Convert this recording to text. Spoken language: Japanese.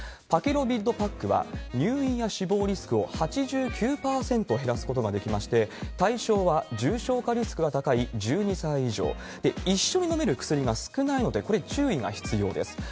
パキロビッドパックは、入院や死亡リスクを８９％減らすことができまして、対象は重症化リスクが高い１２歳以上、一緒に飲める薬が少ないので、これ、注意が必要です。